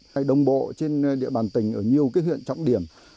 các cơ quan trị đồng bộ trên địa bàn tỉnh ở nhiều huyện trọng điểm